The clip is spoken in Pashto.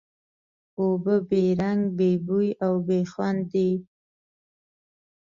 اوبه بې رنګ، بې بوی او بې خوند دي.